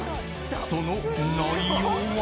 その内容は。